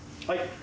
はい。